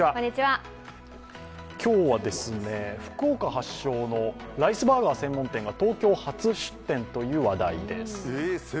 今日は、福岡発祥のライスバーガー専門店が東京初出店という話題です。